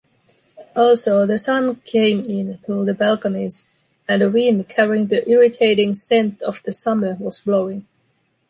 Also, the sun came in through the balconies, and a wind carrying the irritating scent of the summer was blowing.